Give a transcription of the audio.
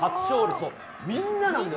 そう、みんななんです。